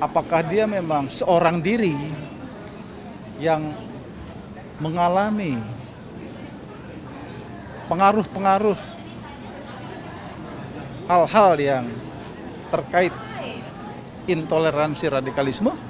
apakah dia memang seorang diri yang mengalami pengaruh pengaruh hal hal yang terkait intoleransi radikalisme